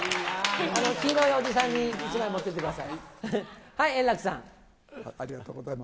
あの黄色いおじさんに１枚持ってってください。